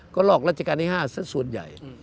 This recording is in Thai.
ก็ลอกราชการที่๕สักส่วนใหญ่